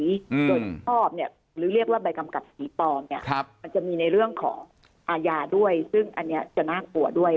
โดยเฉพาะเนี่ยหรือเรียกว่าใบกำกับสีปลอมเนี่ยครับมันจะมีในเรื่องของอาญาด้วยซึ่งอันนี้จะน่ากลัวด้วย